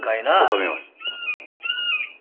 収めます。